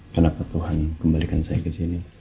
kenapa tuhan kembalikan saya kesini